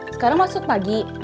sekarang masuk pagi